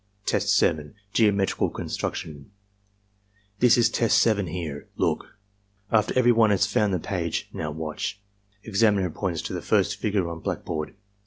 Test 7. — Geometrical Constructioii "This is Test 7 here. Look." After every one has found the page, "Now watch." Examiner points to the first figure on blackboard.